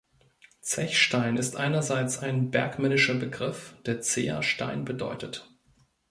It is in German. Zechstein ist einerseits ein bergmännischer Begriff, der „zäher Stein“ bedeutet.